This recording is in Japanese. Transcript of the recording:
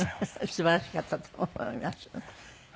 素晴らしかったと思います。